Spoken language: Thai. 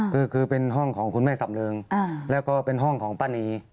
ก็คือเป็นห้องของคุณแม่สำเริงแล้วก็เป็นห้องของป้านี